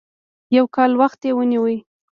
يو کال وخت یې ونیو.